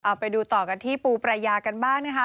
เอาไปดูต่อกันที่ปูปรายากันบ้างนะคะ